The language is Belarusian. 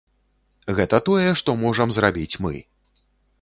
Гэта тое, што можам зрабіць мы.